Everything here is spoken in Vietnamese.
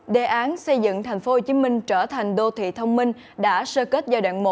đề án xây dựng tp hcm trở thành đô thị thông minh đã sơ kết giai đoạn một